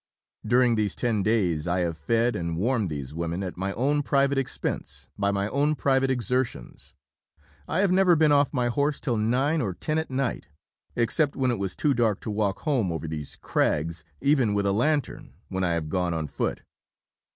During these ten days I have fed and warmed these women at my own private expense by my own private exertions. I have never been off my horse till 9 or 10 at night, except when it was too dark to walk home over these crags even with a lantern, when I have gone on foot.